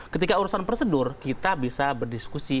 ketika urusan prosedur kita bisa berdiskusi